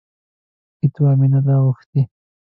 فتوا مې نه ده غوښتې.